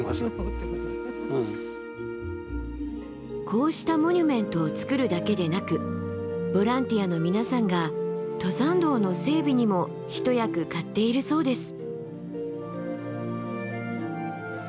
こうしたモニュメントを作るだけでなくボランティアの皆さんが登山道の整備にも一役買っているそうです。